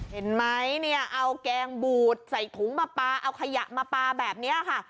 เห็นไหมเนี่ยเอาแกงบูดใส่ถุงมาปลาเอาขยะมาปลาแบบนี้ค่ะ